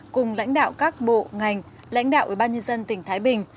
cùng lãnh đạo các bộ ngành lãnh đạo ủy ban nhân dân tỉnh thái bình